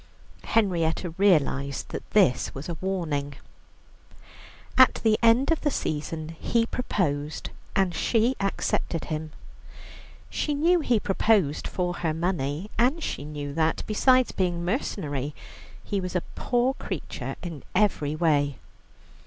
Henrietta realized that this was a warning. At the end of the season he proposed and she accepted him. She knew he proposed for her money, and she knew that, besides being mercenary, he was a poor creature in every way.